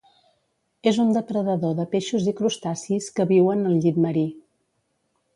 És un depredador de peixos i crustacis que viuen al llit marí.